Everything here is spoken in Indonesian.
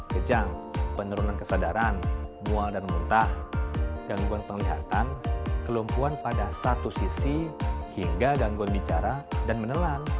kejang penurunan kesadaran mual dan muntah gangguan penglihatan kelumpuan pada satu sisi hingga gangguan bicara dan menelan